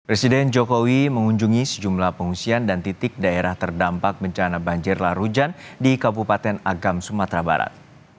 presiden jokowi mengunjungi sejumlah pengungsian dan titik daerah terdampak bencana banjir lah rujan di kabupaten agam sumatera barat